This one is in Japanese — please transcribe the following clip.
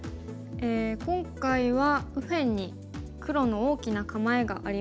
今回は右辺に黒の大きな構えがありますね。